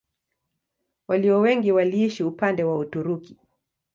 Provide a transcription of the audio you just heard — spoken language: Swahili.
Walio wengi waliishi upande wa Uturuki.